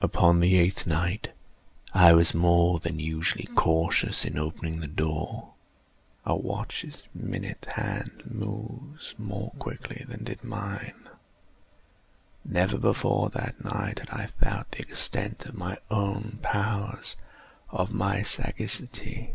Upon the eighth night I was more than usually cautious in opening the door. A watch's minute hand moves more quickly than did mine. Never before that night had I felt the extent of my own powers—of my sagacity.